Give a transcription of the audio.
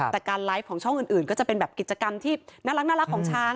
แต่การไลฟ์ของช่องอื่นก็จะเป็นแบบกิจกรรมที่น่ารักของช้าง